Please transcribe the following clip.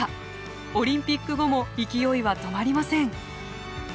オリンピック後も勢いは止まりません。